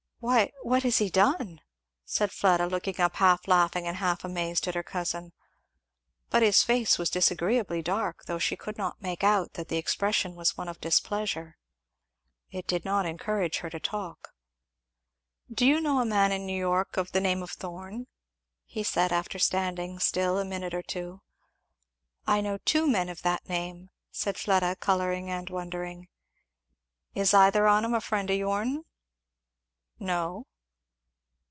"Why what has he done?" said Fleda, looking up half laughing and half amazed at her cousin. But his face was disagreeably dark, though she could not make out that the expression was one of displeasure. It did not encourage her to talk. "Do you know a man in New York of the name of Thorn?" he said after standing still a minute or two. "I know two men of that name," said Fleda, colouring and wondering. "Is either on 'em a friend of your'n?" "No."